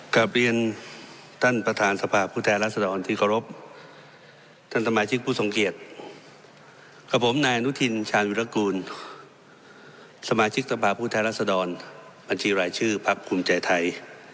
กลับเรียนท่านประธานสภาพภูมิไทยรัศดรที่ขอรบท่านสมาชิกผู้สงเกียจกับผมนายนุทินชาญวิรกูลสมาชิกสภาพภูมิไทยรัศดรบัญชีหลายชื่อภักดิ์คุณใจไทย